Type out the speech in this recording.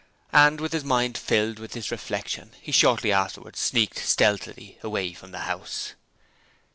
And with his mind filled with this reflection he shortly afterwards sneaked stealthily from the house.